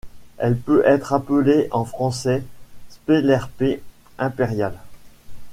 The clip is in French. Elle peut être appelée en français Spélerpès impérial.